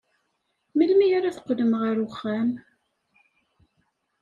Melmi ara teqqlem ɣer uxxam?